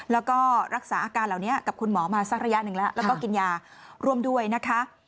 แล้วก็รักษาอาการเหล่านี้กับคุณหมอมาสักระยะหนึ่งแล้วแล้วก็กินยาร่วมด้วยนะคะ